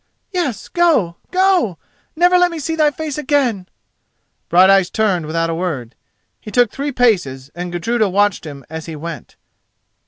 "Yes, go!—go! Never let me see thy face again!" Brighteyes turned without a word. He took three paces and Gudruda watched him as he went.